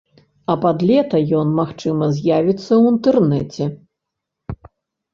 А пад лета ён, магчыма, з'явіцца ў інтэрнэце.